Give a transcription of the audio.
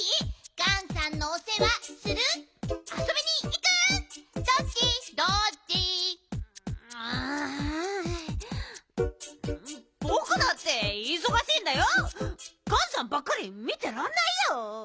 ガンさんばっかり見てらんないよ。